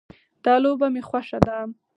دا لوبه مې خوښه ده